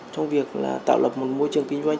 trong việc tạo lập một môi trường kinh doanh